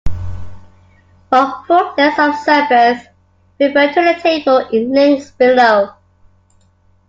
For a full list of service, refer to the table in links below.